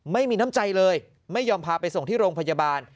ไม่มีน้ำใจเลยไม่ยอมพาไปส่งที่โรงพยาบาล